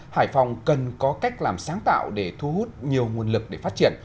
hải phòng cần có cách làm sáng tạo để thu hút nhiều nguồn lực để phát triển